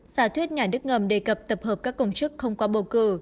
giả thuyết nhà nước ngầm đề cập tập hợp các công chức không qua bầu cử